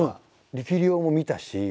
力量も見たし。